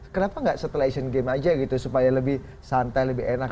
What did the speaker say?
kenapa nggak setelah asian games aja gitu supaya lebih santai lebih enak